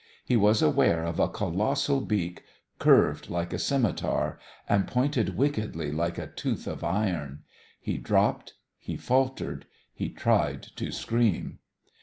He was aware of a colossal beak, curved like a scimitar and pointed wickedly like a tooth of iron. He dropped. He faltered. He tried to scream.